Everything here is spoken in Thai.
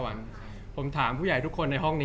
จากความไม่เข้าจันทร์ของผู้ใหญ่ของพ่อกับแม่